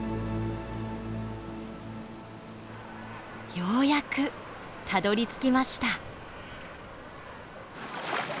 ようやくたどりつきました。